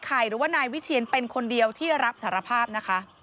หรือว่านายวิเชียนเป็นคนเดียวที่รับสารภาพนะคะ